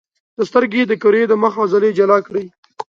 د سترګې د کرې د مخ عضلې جلا کړئ.